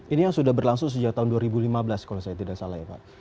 ini yang sudah berlangsung sejak tahun dua ribu lima belas kalau saya tidak salah ya pak